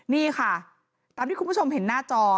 นี่ค่ะตามที่คุณผู้ชมเห็นหน้าจอ